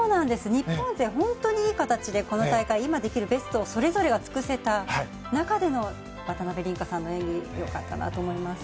日本勢、本当にいい形でこの大会、今できるベストをそれぞれが尽くせた中での渡辺倫果さんの演技よかったと思います。